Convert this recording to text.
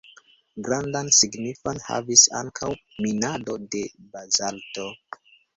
Grandan signifon havis ankaŭ minado de bazalto.